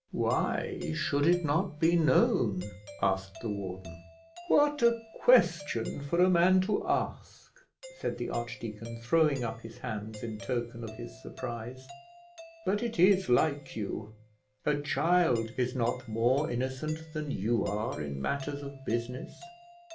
"Why should it not be known?" asked the warden. "What a question for a man to ask!" said the archdeacon, throwing up his hands in token of his surprise; "but it is like you: a child is not more innocent than you are in matters of business.